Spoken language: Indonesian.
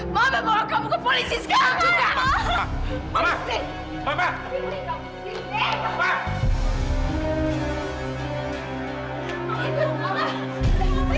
bawa bawa kamu ke polisi sekarang juga